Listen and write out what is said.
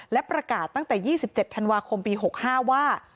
และประกาศตั้งแต่๒๗ธันวาคมปี๖๕ว่า